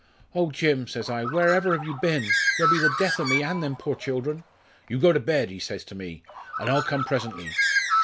'Oh, Jim,' says I, 'wherever have you been? You'll be the death o' me and them poor children!' 'You go to bed,' says he to me, 'and I'll come presently.'